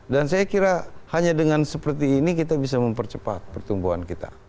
dan saya kira hanya dengan seperti ini kita bisa mempercepat pertumbuhan kita